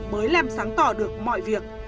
mới làm sáng tỏ được mọi việc